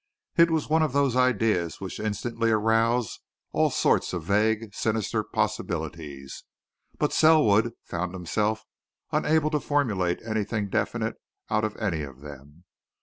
It was one of those ideas which instantly arouse all sorts of vague, sinister possibilities, but Selwood found himself unable to formulate anything definite out of any of them.